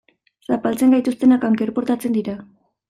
Zapaltzen gaituztenak anker portatzen dira.